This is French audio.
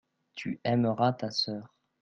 tu aimeras ta sœur.